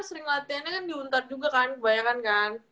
sering latihannya kan di untar juga kan kebanyakan kan